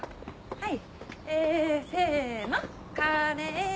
はい。